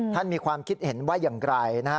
มีความคิดเห็นว่าอย่างไรนะฮะ